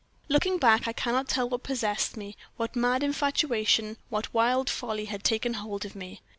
"Looking back, I cannot tell what possessed me what mad infatuation, what wild folly had taken hold of me.